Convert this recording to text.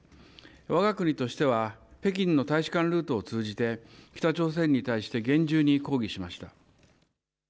わが国としては北京の大使館ルートを通じて北朝鮮に対して厳重に抗議しました。